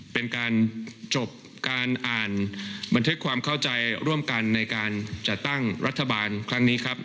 เป็นการจบการอ่านบันทึกความเข้าใจร่วมกันในการจัดตั้งรัฐบาลครั้งนี้ครับ